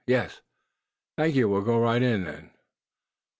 "Yes." "Thank you; we'll go right in, then."